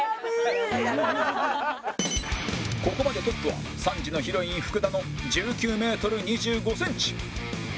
ここまでトップは３時のヒロイン福田の１９メートル２５センチ